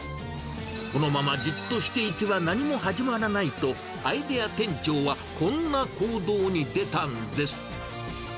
このままじっとしていては何も始まらないと、アイデア店長はこんな行動に出たんです。